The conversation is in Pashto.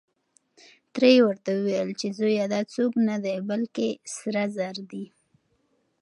تره يې ورته وويل چې زويه دا څوک نه دی، بلکې سره زر دي.